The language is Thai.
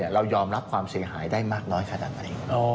เรายอมรับความเสียหายได้มากน้อยขนาดไหน